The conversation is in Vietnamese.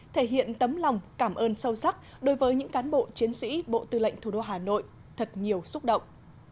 thể hiện tấm lòng cảm ơn sâu sắc đối với những cán bộ chiến sĩ bộ tư lệnh thủ đô hà nội thật nhiều xúc động